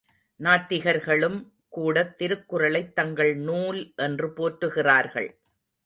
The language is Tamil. நாத்திகர்களும் கூடத் திருக்குறளைத் தங்கள் நூல் என்று போற்றுகிறார்கள்.